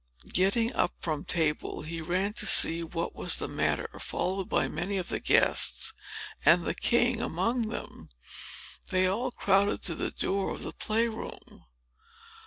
Getting up from table, he ran to see what was the matter, followed by many of the guests, and the king among them. They all crowded to the door of the play room.